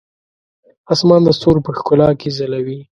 اسمان د ستورو په ښکلا کې ځلوي.